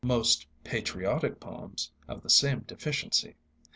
Most patriotic poems have the same deficiency.